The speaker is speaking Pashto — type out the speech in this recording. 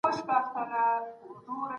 قدرت غواړو.